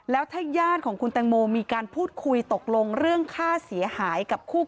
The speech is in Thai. แล้วถ้าญาติของคุณแตงโมมีการพูดคุยตกลงเรื่องค่าเสียหายกับคู่